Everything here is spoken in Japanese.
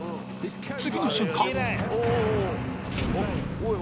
次の瞬間。